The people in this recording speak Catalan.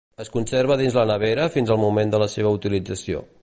Es conserva dins la nevera fins al moment de la seva utilització.